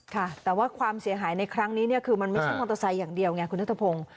ค่ะแต่ว่าความเสียหายในครั้งนี้เนี่ยคือมันไม่ใช่มอเตอร์ไซค์อย่างเดียวไงคุณนัทพงศ์